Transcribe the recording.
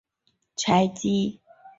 柴液机车成为营运主流。